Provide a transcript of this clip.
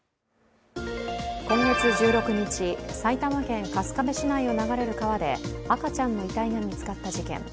今月１６日、埼玉県春日部市内を流れる川で、赤ちゃんの遺体が見つかった事件。